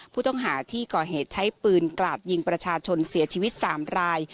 ผู้ต้องหาที่ก่อเหตุใช้ปืนกราดยิงประชาชนเสียชีวิต๓ราย